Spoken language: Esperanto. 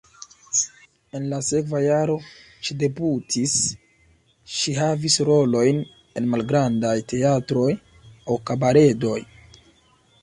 En la sekva jaro ŝi debutis, ŝi havis rolojn en malgrandaj teatroj aŭ kabaredoj.